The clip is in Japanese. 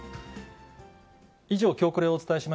以上、きょうコレをお伝えし